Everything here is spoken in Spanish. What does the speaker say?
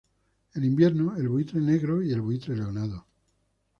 En invierno el buitre negro y el buitre leonado.